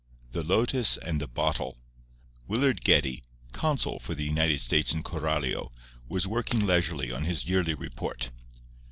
II THE LOTUS AND THE BOTTLE Willard Geddie, consul for the United States in Coralio, was working leisurely on his yearly report.